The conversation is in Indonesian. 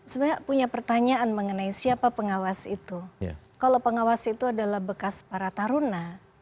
sebenarnya punya pertanyaan mengenai siapa pengawas itu kalau pengawas itu adalah bekas para taruna